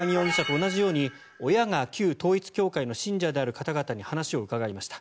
番組では山上容疑者と同じように親が旧統一教会の信者である方々に話を伺いました。